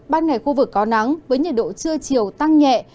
ban ngày khu vực có nắng với nhiệt độ trưa chiều tăng nhẹ